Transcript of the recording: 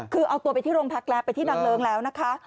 คือเอาตัวไปที่โรงพักแล้วไปที่นางเลิ้งแล้วนะคะ